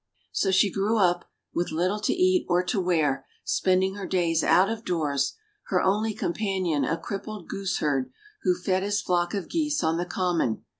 So she grew up, with little to eat or to wear, spending her days out of doors, her only companion a crippled gooseherd, who fed his flock of geese on the common.